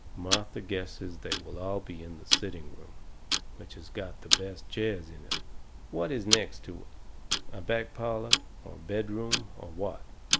Martha guesses they will all be in the sitting room, which has got the best chairs in it. "What is next to it? A back parlour, or a bedroom, or what?"